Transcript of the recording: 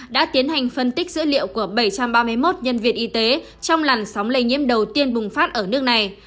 đã tiến hành phân tích dữ liệu của bảy trăm ba mươi một nhân viên y tế trong làn sóng lây nhiễm đầu tiên bùng phát ở nước này